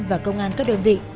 và công an các đơn vị